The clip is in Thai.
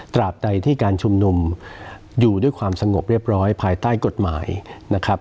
ตราบใดที่การชุมนุมอยู่ด้วยความสงบเรียบร้อยภายใต้กฎหมายนะครับ